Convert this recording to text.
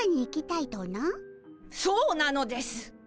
そうなのです。